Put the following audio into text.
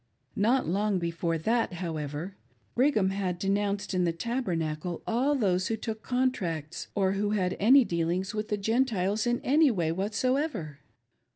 Not long before that, however, Brigham had de nounced in the Tabernacle all those who took contracts or THE prophet's SWEET LANGUAGE. 487 who had any dealings with the Gentiles in any way whatso ever.